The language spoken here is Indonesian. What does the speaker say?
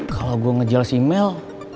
kalau gue ngejelasin mel